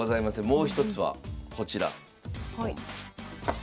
もう一つはこちら。